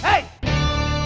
prinik di beat